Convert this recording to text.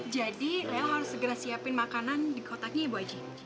jadi reyang harus segera siapin makanan di kotaknya ya bu aji